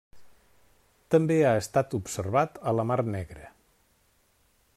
També ha estat observat a la Mar Negra.